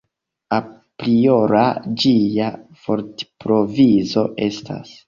Apriora ĝia vortprovizo estas.